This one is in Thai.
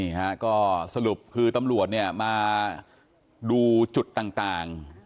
นี่ฮะก็สรุปคือตำรวจเนี่ยมาดูจุดต่าง